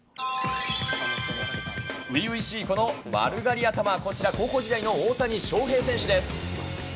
初々しいこの丸刈り頭、こちら高校時代の大谷翔平選手です。